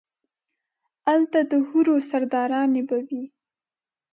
الته ده حورو سرداراني به وي